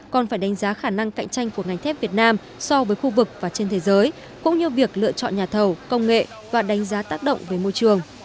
còn phải đánh giá khả năng cạnh tranh của ngành thép việt nam so với khu vực và trên thế giới cũng như việc lựa chọn nhà thầu công nghệ và đánh giá tác động về môi trường